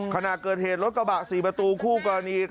ขณะเกิดเหตุรถกระบะ๔ประตูคู่กรณี